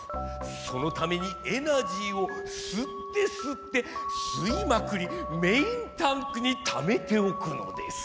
そのためにエナジーをすってすってすいまくりメインタンクにためておくのです。